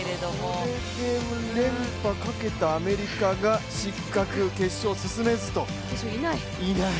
これで連覇かけたアメリカが失格、決勝進めずと、決勝にいない。